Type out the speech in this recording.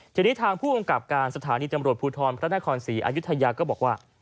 ทีนี้ทางผู้กำกับการสถานีตำรวจภูทรพระนครศรีอายุทยาก็บอกว่า